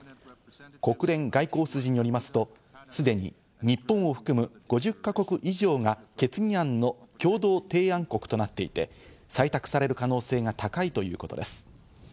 国連外交筋によりますとすでに日本を含む５０か国以上が決議案の共同提案国となっていて、採択される可能性が高いということです。